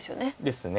ですね。